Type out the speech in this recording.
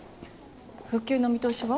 復旧の見通しは？